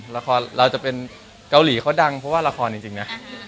เราจะเป็นเกาหลีเขาดังเพราะว่าละครจริงนะ